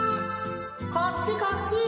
こっちこっち！